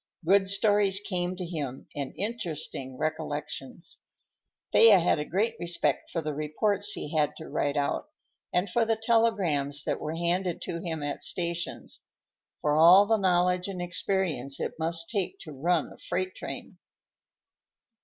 Good stories came to him, and interesting recollections. Thea had a great respect for the reports he had to write out, and for the telegrams that were handed to him at stations; for all the knowledge and experience it must take to run a freight train.